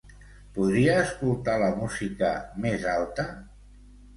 Podria escoltar la música més alta?